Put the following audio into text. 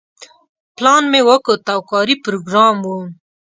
پلان مې وکوت او کاري پروګرام و.